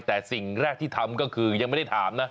แต่สิ่งแรกที่ทำก็คือยังไม่ได้ถามนะ